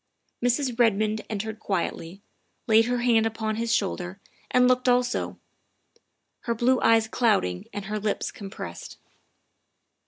Mrs. Redmond entered quietly, laid her hand upon his shoul der, and looked also, her blue eyes clouding and her lips compressed.